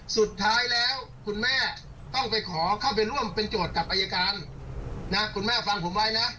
สุดท้ายแล้วคุณแม่ต้องไปขอเข้าไปร่วมเป็นโจทย์กับอายการนะคุณแม่ฟังผมไว้นะ